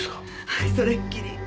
はいそれっきり。